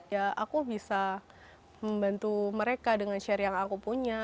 ya aku bisa membantu mereka dengan share yang aku punya